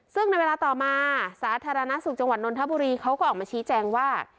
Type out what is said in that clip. ซึ่งในเวลาต่อมาสาธารณสุขจังหวัดนนทบุรีเขาก็ออกมาชี้แจงว่า